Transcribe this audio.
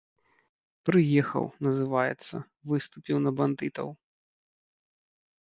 Прыехаў, называецца, выступіў на бандытаў.